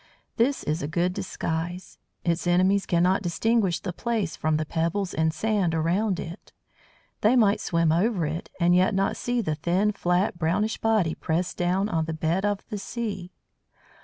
This is a good disguise. Its enemies cannot distinguish the Plaice from the pebbles and sand around it. They might swim over it, and yet not see the thin, flat, brownish body pressed down on the bed of the sea.